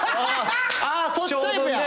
ああそっちタイプや。